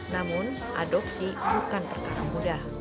namun adopsi bukan perkara mudah